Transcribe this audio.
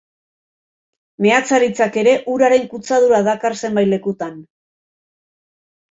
Meatzaritzak ere uraren kutsadura dakar zenbait lekutan.